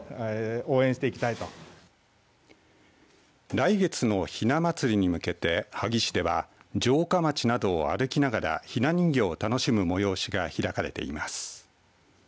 来月のひな祭りに向けて萩市では城下町などを歩きながらひな人形を楽しむ催しが開かれています。